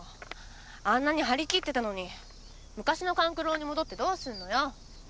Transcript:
あんなに張り切ってたのに昔の勘九郎に戻ってどうすんのよ。